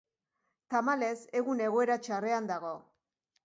Tamalez, egun egoera txarrean dago.